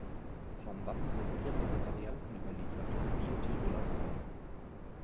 Vom Wappen sind mehrere Varianten überliefert (siehe Tiroler Wappen).